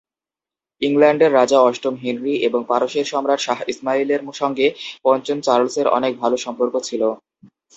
ইংল্যান্ডের রাজা অষ্টম হেনরী এবং পারস্যের সম্রাট শাহ ইসমাইলের সঙ্গে পঞ্চম চার্লসের অনেক ভাল সম্পর্ক ছিল।